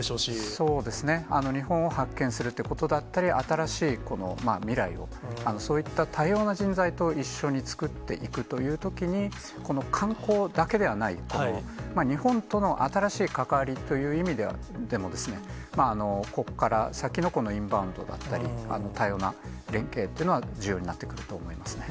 そうですね、日本を発見するっていうことだったり、新しい未来を、そういった多様な人材と一緒に作っていくというときに、この観光だけではない、日本との新しい関わりという意味では、ここから先のこのインバウンドだったり、多様な連携というのは重要になってくると思いますね。